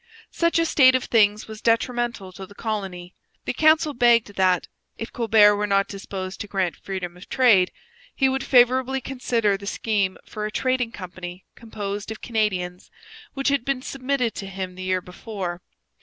Such a state of things was detrimental to the colony. The council begged that, if Colbert were not disposed to grant freedom of trade, he would favourably consider the scheme for a trading company composed of Canadians, which had been submitted to him the year before.